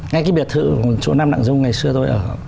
ngay cái biệt thự chỗ nam đặng dung ngày xưa thôi ở